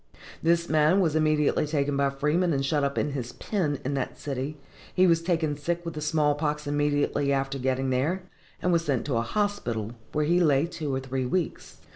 This man was immediately taken by Freeman and shut up in his pen in that city, he was taken sick with the small pox immediately after getting there, and was sent to a hospital, where he lay two or three weeks.